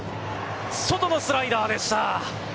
外のスライダーでした。